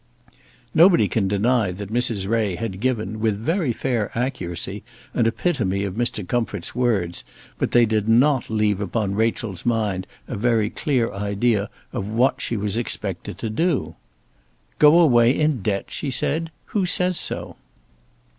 Nobody can deny that Mrs. Ray had given, with very fair accuracy, an epitome of Mr. Comfort's words; but they did not leave upon Rachel's mind a very clear idea of what she was expected to do. "Go away in debt!" she said; "who says so?"